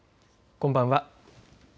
こんばんは。